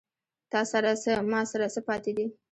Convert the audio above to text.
تاســـره څـــه، ما ســـره څه پاتې دي